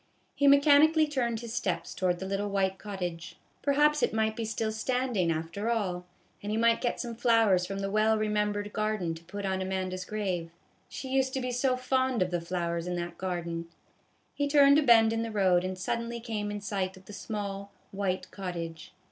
He mechanically turned his steps towards the little white cottage. Perhaps it might be still standing, after all, and he might get some flowers from the well remembered garden to put on Amanda's grave ; she used to be so fond of the flowers in that garden ; he turned a bend in the road, and suddenly came in sight of the small, white cottage.